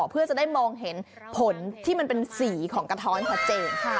เพื่อจะได้มองเห็นผลที่มันเป็นสีของกระท้อนชัดเจน